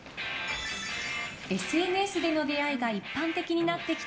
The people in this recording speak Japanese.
ＳＮＳでの出会いが一般的になってきた